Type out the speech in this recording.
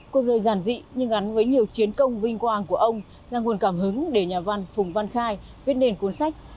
cuộc đời giản dị nhưng gắn với nhiều chiến công vinh quang của ông là nguồn cảm hứng để nhà văn phùng văn khai viết nền cuốn sách